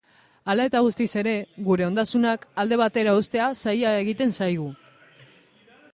Hala eta guztiz ere, gure ondasunak alde batera uztea zaila egiten zaigu.